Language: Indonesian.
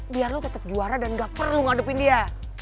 biar lo tetap juara dan gak perlu ngadepin dia